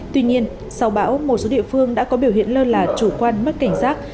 tuy nhiên sau bão một số địa phương đã có biểu hiện lơ là chủ quan mất cảnh giác